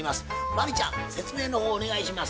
真理ちゃん説明の方お願いします。